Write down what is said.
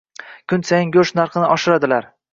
Kun sayin go`sht narxini oshiradilar